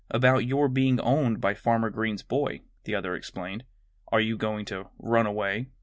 "About your being owned by Farmer Green's boy," the other explained. "Are you going to run away?"